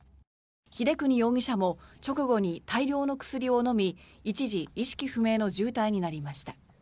英邦容疑者も直後に大量の薬を飲み一時、意識不明の重体になりました。